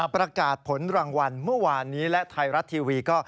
ประกาศผลรางวัลเมื่อวานนี้และไทยรัฐทีวีก็